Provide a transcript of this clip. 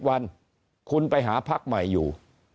๑๐วันคุณไปหาพรรคใหม่อยู่